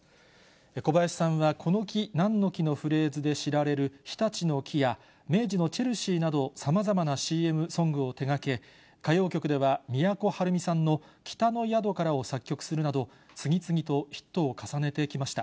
小林さんは、この木なんの木のフレーズで知られる日立の樹や、明治のチェルシーなど、さまざまなＣＭソングを手がけ、歌謡曲では都はるみさんの北の宿からを作曲するなど、次々とヒットを重ねてきました。